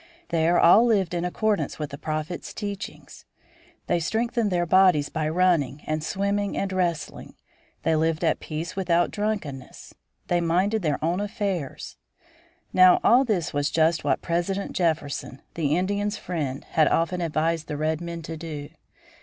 There all lived in accordance with the Prophet's teachings. They strengthened their bodies by running and swimming and wrestling. They lived at peace without drunkenness. They minded their own affairs. Now, all this was just what President Jefferson, the Indians' friend, had often advised the red men to do.